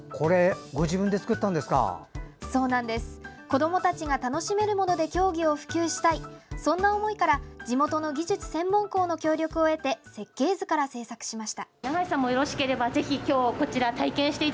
子どもたちが楽しめるもので競技を普及したいそんな思いから地元の技術専門校の協力を得て設計図から製作しました。